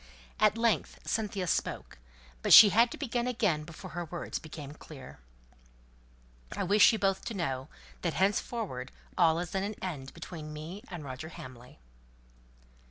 At length Cynthia spoke, but she had to begin again before her words came clear. "I wish you both to know that henceforward all is at an end between me and Roger Hamley."